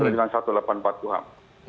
dari jalan seribu delapan ratus empat puluh dua